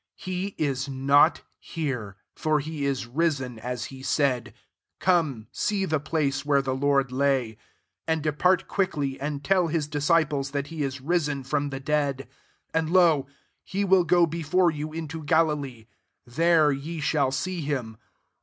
6 He is not here : for he is risen, as he ssdd : come, see the place where the Lord lay,* 7 and depart quickly, and tell his disciples that he is risen from the dead: and, lol he will go before you into Galilee ; there ye shall see him.